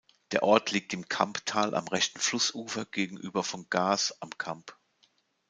Der Ort liegt im Kamptal am rechten Flussufer gegenüber von Gars am Kamp.